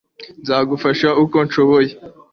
nzagufasha uko nshoboye